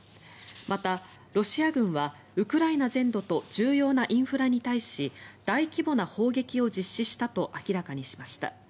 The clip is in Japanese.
また、ロシア軍はウクライナ全土と重要なインフラに対し大規模な砲撃を実施したと明らかにしました。